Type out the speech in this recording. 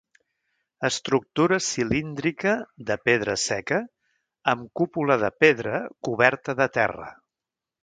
Estructura cilíndrica, de pedra seca, amb cúpula de pedra, coberta de terra.